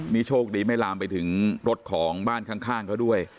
นี่โชคดีไม่ลามไปถึงรถของบ้านข้างเขาด้วย